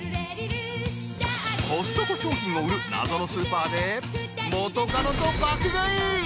コストコ商品を売る謎のスーパーで元カノと爆買い！